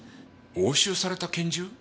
押収された拳銃！？